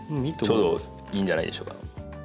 ちょうどいいんじゃないでしょうか。